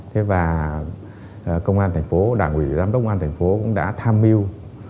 thế và công an thành phố đảng ủy giám đốc công an thành phố cũng đã tham mưu